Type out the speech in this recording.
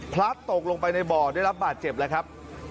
พลัดตกลงไปในบ่อได้รับบาดเจ็บแล้วครับ